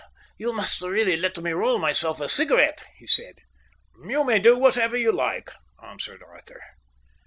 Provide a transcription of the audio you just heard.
"You must really let me roll myself a cigarette," he said. "You may do whatever you like," answered Arthur.